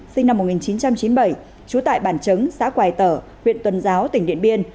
sinh năm một nghìn chín trăm chín mươi bảy trú tại bản chứng xã quài tở huyện tuần giáo tỉnh điện biên